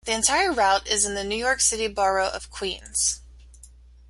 The entire route is in the New York City borough of Queens.